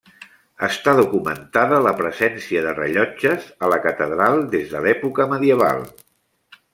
Està documentada la presència de rellotges a la catedral des de l'època medieval.